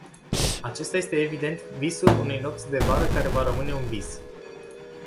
Acesta este evident visul unei nopți de vară care va rămâne un vis.